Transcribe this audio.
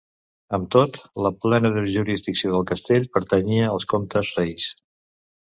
Amb tot, la plena jurisdicció del castell pertanyia als comtes-reis.